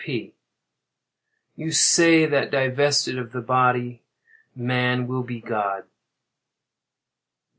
P. You say that divested of the body man will be God?